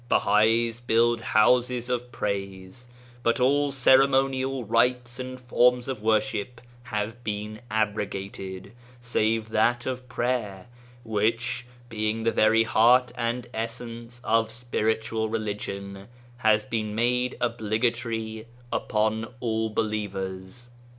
Bahais build Houses of Praise, but all ceremonial rites and forms of worship have been abrogated, save that of prayer, which being the very heart and essence of spiritual religion has been made obli gatory upon all believers.